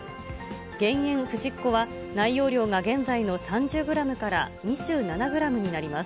減塩ふじっ子は、内容量が現在の３０グラムから２７グラムになります。